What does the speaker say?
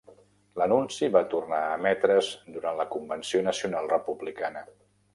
L'anunci va tornar a emetre's durant la Convenció Nacional Republicana.